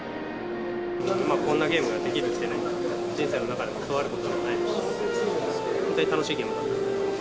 こんなゲームができるっていうのは、人生の中でそうあることでもないですし、本当に楽しいゲームだったと思います。